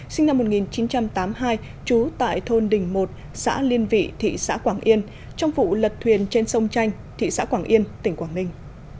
sinh năm một nghìn chín trăm tám mươi hai trú tại thôn đình một xã liên vị thị xã quảng yên trong vụ lật thuyền trên sông chanh thị xã quảng yên tỉnh quảng ninh